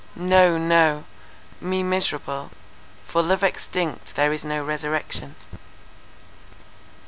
No—no—me miserable; for love extinct there is no resurrection!